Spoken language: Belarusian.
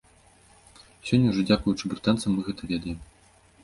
Сёння ўжо дзякуючы брытанцам мы гэта ведаем.